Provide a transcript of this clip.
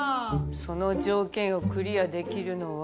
その条件をクリアできるのは。